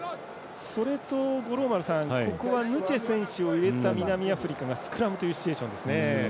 それと、ここはヌチェ選手を入れた南アフリカがスクラムというシチュエーション。